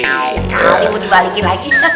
nah ini mau dibalikin lagi